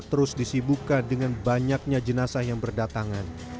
terus disibukan dengan banyaknya jenazah yang berdatangan